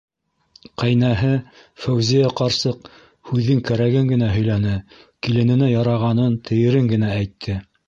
Ҡәйнәһе, Фәүзиә ҡарсыҡ, һүҙҙең кәрәген генә һөйләне, килененә ярағанын, тейерен генә әйтте.